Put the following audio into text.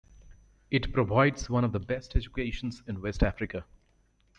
It provides one of the best educations in west Africa.